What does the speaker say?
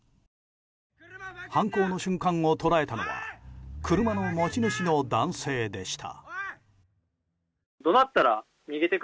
犯行の瞬間を捉えたのは車の持ち主の男性でした。